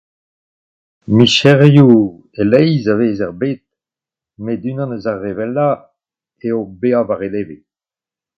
Micherioù e-leizh a vez er bed met unan eus ar re wellañ eo bezañ war e leve.